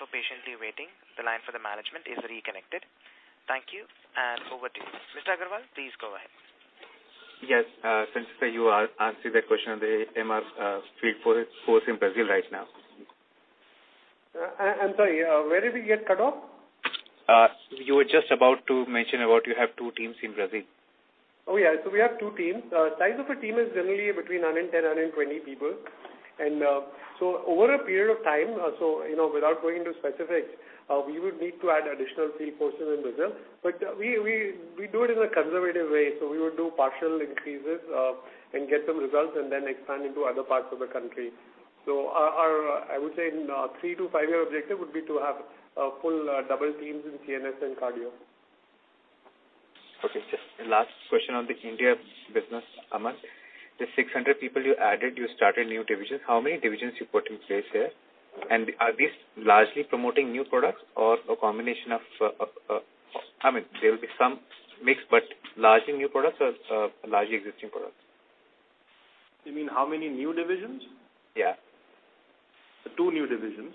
Ladies and gentlemen, thank you for patiently waiting. The line for the management is reconnected. Thank you, and over to you. Mr. Agarwal, please go ahead. Yes. Since you are answering the question on the MR, field force in Brazil right now. I'm sorry, where did we get cut off? You were just about to mention about you have two teams in Brazil. Oh, yeah. We have two teams. Size of a team is generally between nine and 10, nine and 20 people. Over a period of time, you know, without going into specifics, we would need to add additional field forces in Brazil. We do it in a conservative way. We would do partial increases and get some results and then expand into other parts of the country. Our I would say in a three-five-year objective would be to have full double teams in CNS and cardio. Okay. Just the last question on the India business, Aman. The 600 people you added, you started new divisions. How many divisions you put in place here? Are these largely promoting new products or a combination of, I mean, there will be some mix, but largely new products or, largely existing products? You mean how many new divisions? Yeah. Two new divisions.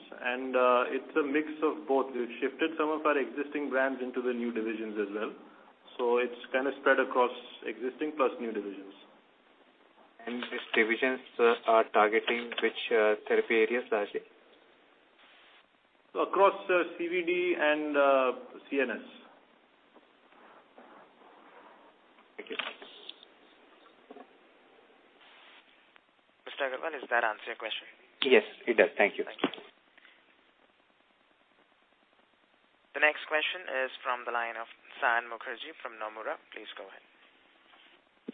It's a mix of both. We've shifted some of our existing brands into the new divisions as well. It's kinda spread across existing plus new divisions. These divisions are targeting which therapy areas largely? Across CVD and CNS. Thank you. Mr. Agarwal, does that answer your question? Yes, it does. Thank you. The next question is from the line of Saion Mukherjee from Nomura. Please go ahead.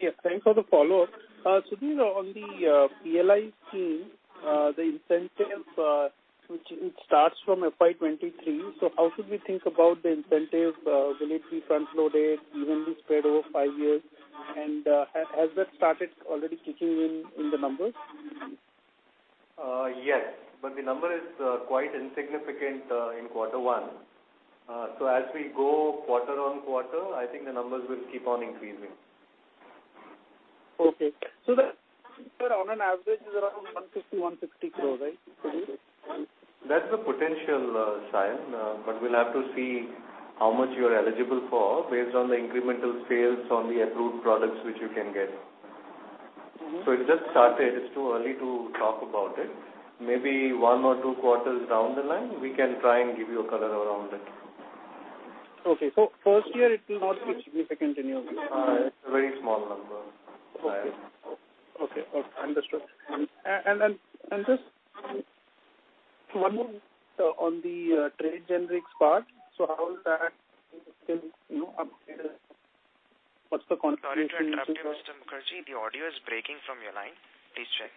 Yes, thanks for the follow-up. Sudhir, on the PLI scheme, the incentive, which starts from FY23, so how should we think about the incentive? Will it be front-loaded, evenly spread over five years? Has that started already kicking in the numbers? Yes, the number is quite insignificant in quarter one. As we go quarter-on-quarter, I think the numbers will keep on increasing. Okay. That on an average is around 150-160 crore, right, Sudhir? That's the potential, Saion. We'll have to see how much you are eligible for based on the incremental sales on the approved products which you can get. Mm-hmm. It just started. It's too early to talk about it. Maybe one or two quarters down the line, we can try and give you a color around it. Okay. First year it will not be significant anyway. It's a very small number, Saion. Okay, understood. Just one more on the trade generics part. How is that been, you know, updated? What's the contribution? Sorry to interrupt you, Mr. Mukherjee. The audio is breaking from your line. Please check.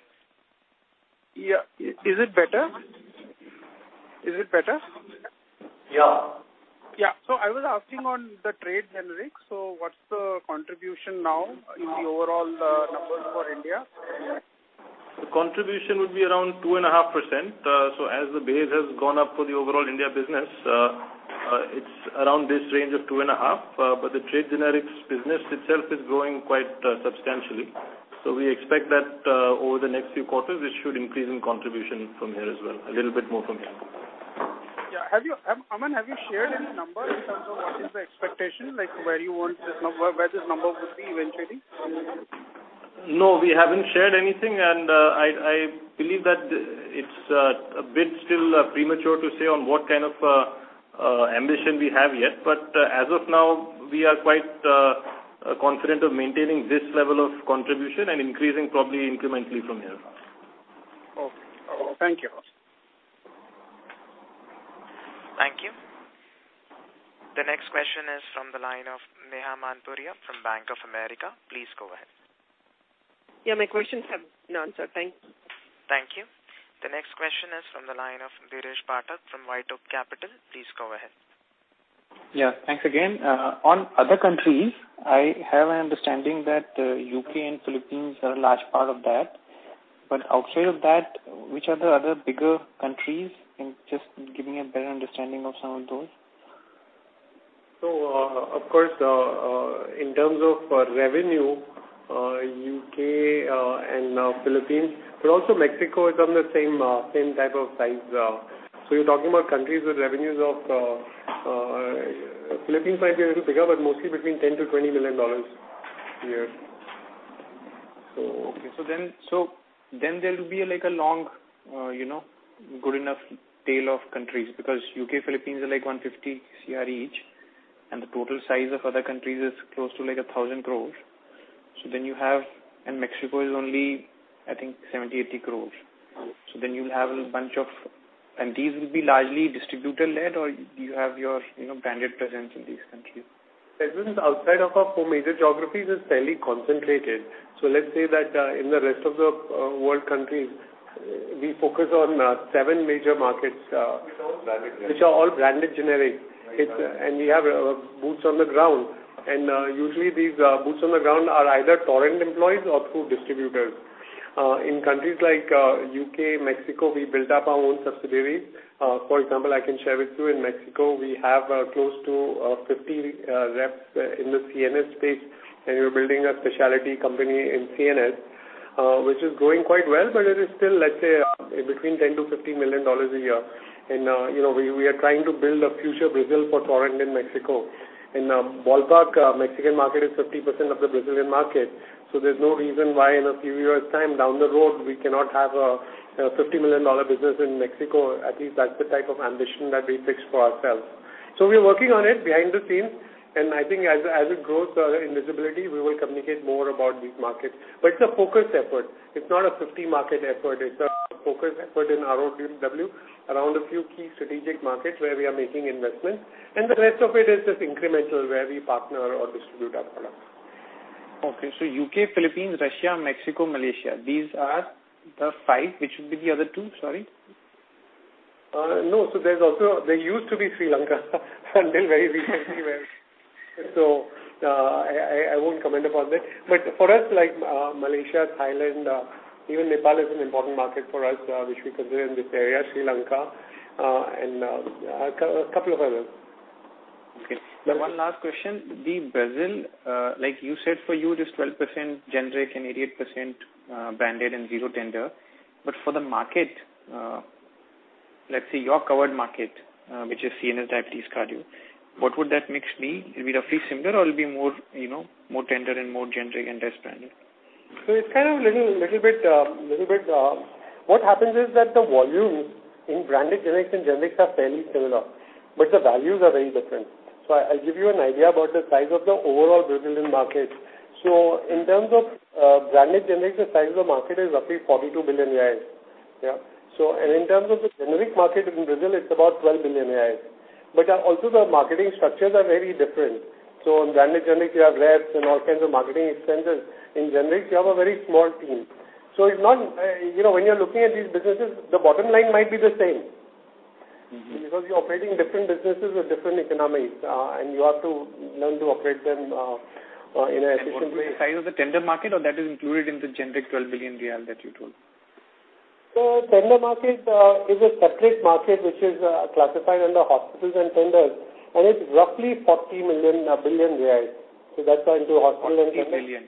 Yeah. Is it better? Yeah. I was asking on the trade generics. What's the contribution now in the overall numbers for India? The contribution would be around 2.5%. As the base has gone up for the overall India business, it's around this range of 2.5%, but the trade generics business itself is growing quite substantially. We expect that over the next few quarters, it should increase in contribution from here as well. A little bit more from here. Yeah. Aman, have you shared any numbers in terms of what is the expectation, like where you want this number, where this number would be eventually? No, we haven't shared anything, and I believe that it's still a bit premature to say on what kind of ambition we have yet. As of now, we are quite confident of maintaining this level of contribution and increasing probably incrementally from here. Okay. Thank you. Thank you. The next question is from the line of Neha Manpuria from Bank of America. Please go ahead. Yeah, my questions have been answered. Thank you. Thank you. The next question is from the line of Dheeresh Pathak from White Oak Capital. Please go ahead. Yeah. Thanks again. On other countries, I have an understanding that U.K. and Philippines are a large part of that. Outside of that, which are the other bigger countries, and just giving a better understanding of some of those? Of course, in terms of revenue, U.K. and Philippines, but also Mexico is on the same type of size. You're talking about countries with revenues. Philippines might be a little bigger, but mostly between $10-$20 million a year. There will be like a long, you know, good enough tail of countries because U.K., Philippines are like 150 crore each, and the total size of other countries is close to like 1,000 crores. Mexico is only, I think, 70-80 crores. You'll have a bunch of. These will be largely distributor-led or you have your, you know, branded presence in these countries? Business outside of our four major geographies is fairly concentrated. Let's say that, in the rest of the world countries, we focus on seven major markets. It's all branded generics. Which are all branded generic. Right. We have boots on the ground. Usually these boots on the ground are either Torrent employees or through distributors. In countries like U.K., Mexico, we built up our own subsidiaries. For example, I can share with you in Mexico, we have close to 50 reps in the CNS space, and we're building a specialty company in CNS, which is growing quite well, but it is still, let's say, between $10 million-$50 million a year. You know, we are trying to build a future Brazil for Torrent in Mexico. Ballpark, Mexican market is 50% of the Brazilian market. There's no reason why in a few years' time down the road, we cannot have a $50 million-dollar business in Mexico. At least that's the type of ambition that we fixed for ourselves. We are working on it behind the scenes, and I think as it grows in visibility, we will communicate more about these markets. It's a focused effort. It's not a 50-market effort. It's a focused effort in our ODW around a few key strategic markets where we are making investments, and the rest of it is just incremental where we partner or distribute our products. Okay. U.K., Philippines, Russia, Mexico, Malaysia, these are the five. Which would be the other two? Sorry. No. I won't comment upon that. For us, like, Malaysia, Thailand, even Nepal is an important market for us, which we consider in this area, Sri Lanka, and a couple of others. Okay. One last question. The Brazil, like you said, for you it is 12% generic and 88% branded and zero tender. But for the market, let's say your covered market, which is CNS, diabetes, cardio, what would that mix be? It'll be roughly similar or it'll be more, you know, more tender and more generic and less branded? It's kind of little bit. What happens is that the volumes in branded generics and generics are fairly similar, but the values are very different. I'll give you an idea about the size of the overall Brazilian market. In terms of branded generic, the size of market is roughly 42 billion reais. Yeah. And in terms of the generic market in Brazil, it's about 12 billion reais. Also the marketing structures are very different. In branded generic, you have reps and all kinds of marketing expenses. In generics, you have a very small team. It's not, you know, when you're looking at these businesses, the bottom line might be the same. Mm-hmm. Because you're operating different businesses with different economies, and you have to learn to operate them, in an efficient way. What would be the size of the tender market or that is included in the generic 12 billion real that you told? Tender market is a separate market which is classified under hospitals and tenders, and it's roughly 40 billion reais. That's in the hospital and tender. 40 billion.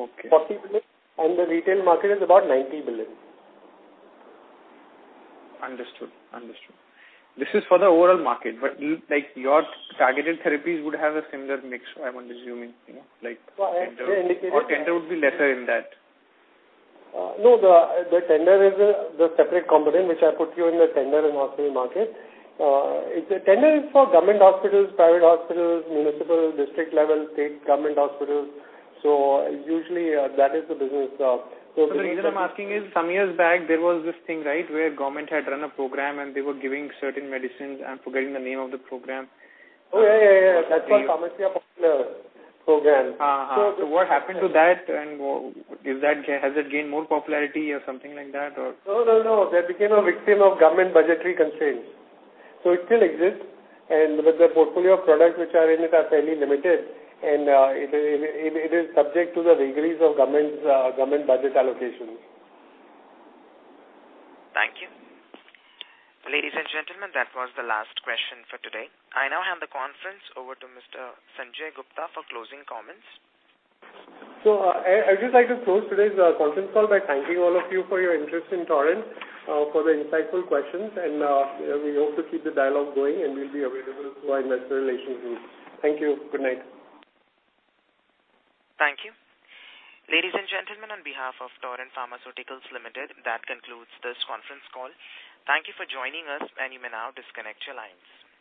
Okay. 40 billion. The retail market is about 90 billion. Understood. This is for the overall market, but like your targeted therapies would have a similar mix, I'm assuming, you know, like tender. Well, I- Tender would be lesser in that? No, the tender is a separate component which I put to you in the tender and hospital market. It's a tender for government hospitals, private hospitals, municipal, district level, state government hospitals. Usually, that is the business. The reason I'm asking is some years back there was this thing, right, where government had run a program, and they were giving certain medicines. I'm forgetting the name of the program. Oh, yeah, yeah. That's called Farmácia Popular program. What happened to that? Has it gained more popularity or something like that? No, no. That became a victim of government budgetary constraints. It still exists and with the portfolio of products which are in it are fairly limited and it is subject to the vagaries of government's budget allocation. Thank you. Ladies and gentlemen, that was the last question for today. I now hand the conference over to Mr. Sanjay Gupta for closing comments. I'd just like to close today's conference call by thanking all of you for your interest in Torrent for the insightful questions. We hope to keep the dialogue going, and we'll be available through our investor relations group. Thank you. Good night. Thank you. Ladies and gentlemen, on behalf of Torrent Pharmaceuticals Limited, that concludes this conference call. Thank you for joining us, and you may now disconnect your lines.